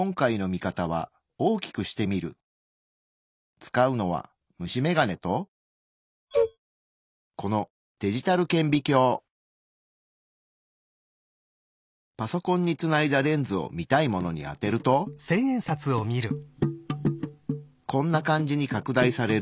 使うのは虫眼鏡とこのパソコンにつないだレンズを見たいものに当てるとこんな感じに拡大される。